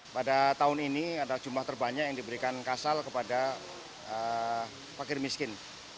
pada tahun ini ada jumlah terbanyak yang diberikan kasal kepada pakir miskin